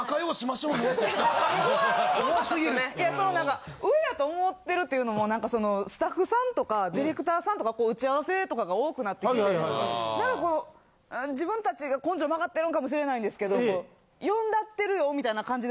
いやその何か上やと思ってるっていうのもスタッフさんとかディレクターさんとか打ち合わせとか多くなってきて何か自分達が根性曲がってるんかもしれないんですけど呼んだってるよみたいな感じで。